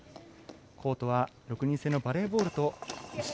コートは６人制のバレーボールと一緒。